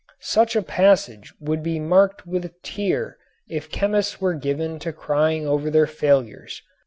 Such a passage would be marked with a tear if chemists were given to crying over their failures.